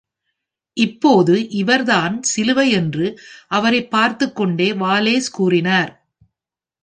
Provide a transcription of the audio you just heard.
“இப்போது இவர் தான் சிலுவை” என்று அவரை பார்த்துக் கொண்டே வாலேஸ் கூறினார்.